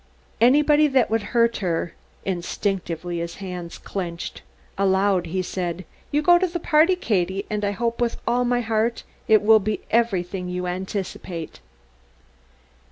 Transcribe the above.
Anybody that would hurt her! Instinctively his hands clenched. Aloud he said: "Go to your party, Katie, and I hope with all my heart it will be everything you anticipate."